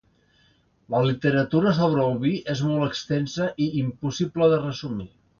La literatura sobre el vi és molt extensa i impossible de resumir.